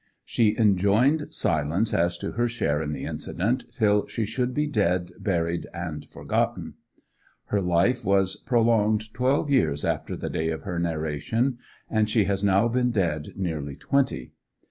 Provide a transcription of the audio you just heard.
She enjoined silence as to her share in the incident, till she should be 'dead, buried, and forgotten.' Her life was prolonged twelve years after the day of her narration, and she has now been dead nearly twenty.